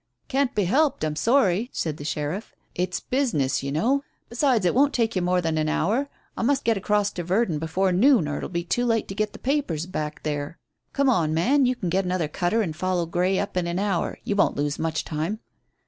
"Can't be helped. I'm sorry," said the sheriff. "It's business, you know. Besides, it won't take you more than an hour. I must get across to Verdon before noon or it'll be too late to get the papers 'backed' there. Come on, man; you can get another cutter and follow Grey up in an hour. You won't lose much time."